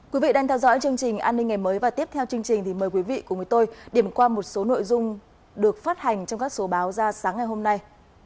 quý vị đang theo dõi chương trình an ninh ngày mới và tiếp theo chương trình thì mời quý vị cùng với tôi điểm qua một số nội dung được phát hành trong các số báo ra sáng ngày hôm nay